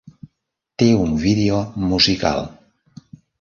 Té un vídeo musical.